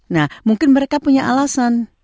nah mungkin mereka punya alasan